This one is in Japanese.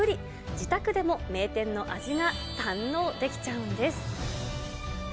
自宅でも名店の味が堪能できちゃうんです。